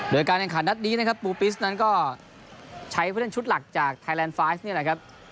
โดยการแข่งขันนัดนี้นะครับปูปิสนั้นก็ใช้ผู้เล่นชุดหลักจากไทยแลนด์ไฟซ์นี่แหละครับ